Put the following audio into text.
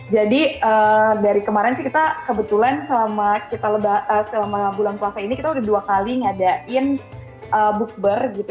jadi dari kemarin sih kita kebetulan selama bulan kuasa ini kita udah dua kali ngadain bukber gitu